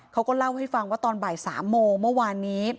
เขาก็เล่าให้ฟังว่าตอนบ่าย๓โมงเมื่อวานนี้